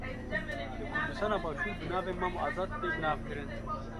Li Kurdistana başûr bi navê Mam Azad tê bi nav kirin.